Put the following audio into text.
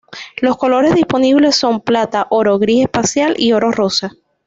Los colores disponibles son plata, oro, gris espacial y oro rosa.